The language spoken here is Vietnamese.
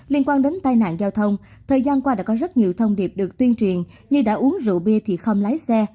liên quan đến tai nạn giao thông thời gian qua đã có rất nhiều thông điệp được tuyên truyền như đã uống rượu bia thì không lái xe